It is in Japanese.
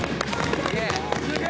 すげえ。